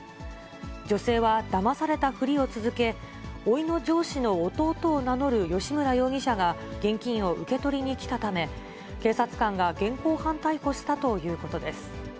女性はだまされたふりを続け、おいの上司の弟を名乗る吉村容疑者が、現金を受け取りに来たため、警察官が現行犯逮捕したということです。